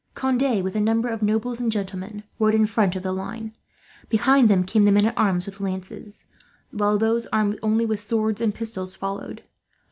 Conde, with a number of nobles and gentlemen, rode in front of the line. Behind them came the men at arms with lances, while those armed only with swords and pistols followed.